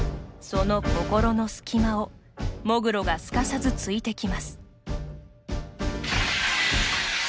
その心の隙間を喪黒がすかさずついてきます。